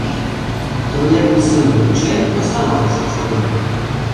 Троллейбусын вучен, остановкышто шогем.